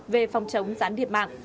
về phòng chống gián điệp mạng